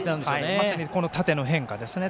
まさに、この縦の変化です。